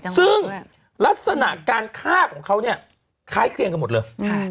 ซึ่งลักษณะการฆ่าของเขาเนี่ยคล้ายเคลียงกันหมดเลย